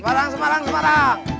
semarang semarang semarang